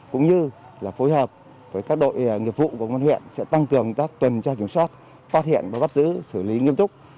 cũng như là phối hợp với các đội nghiệp vụ của công an huyện sẽ tăng cường các tuần tra kiểm soát phát hiện và bắt giữ xử lý nghiêm túc